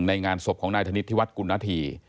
ในงานศพของนายธนิษฐ์ที่วัดกุณฑี